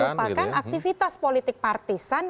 merupakan aktivitas politik partisan